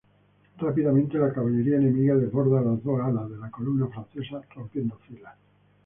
Rápidamente la caballería enemiga desborda las dos alas de la columna francesa, rompiendo filas.